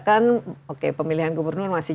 kan oke pemilihan gubernur masih